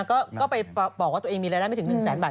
ก็ไปบอกว่าตัวเองมีรายได้ไม่ถึง๑แสนบาท